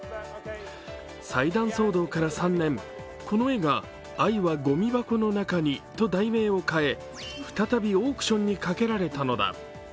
裁断騒動から３年、この絵が「愛はごみ箱の中に」と題名を変え再びオークションにかけられたのだ。